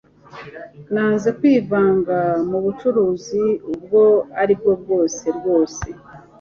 Nanze kwivanga mubucuruzi ubwo aribwo bwose rwose